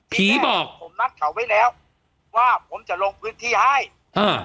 ผีบอกผมนัดเขาไว้แล้วว่าผมจะลงพื้นที่ให้อ่า